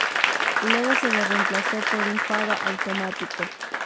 Luego se le reemplazó por un faro automático.